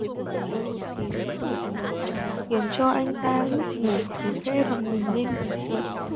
Khiến cho anh ta lúc ngủ cứ khẽ rùng mình lên vì sợ